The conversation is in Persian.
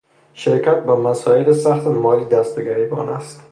شرکت با مسایل سخت مالی دست به گریبان است.